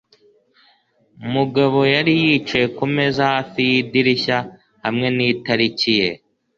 Mugabo yari yicaye kumeza hafi yidirishya hamwe nitariki ye.